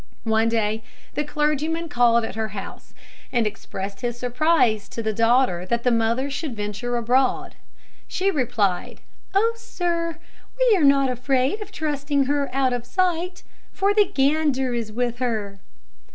One day the clergyman called at her house, and expressed his surprise to the daughter that the mother should venture abroad. She replied: "O sir, we are not afraid of trusting her out of sight, for the gander is with her."